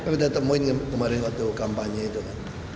kita temuin kemarin waktu kampanye itu kan